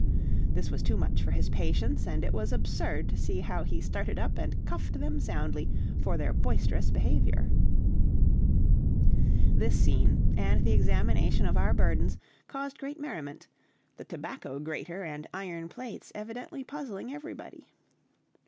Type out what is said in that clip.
This was too much for his patience, and it was absurd to see how he started up and cuffed them soundly for their boisterous behavior. This scene, and the examination of our burdens, caused great merriment: the tobacco grater and iron plates evidently puzzling everybody.